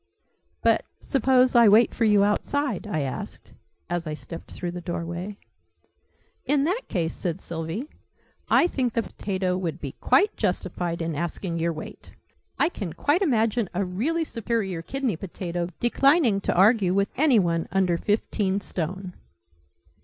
"But suppose I wait for you outside?" I asked, as I stepped through the doorway. "In that case," said Sylvie, "I think the potato would be quite justified in asking your weight. I can quite imagine a really superior kidney potato declining to argue with any one under fifteen stone!"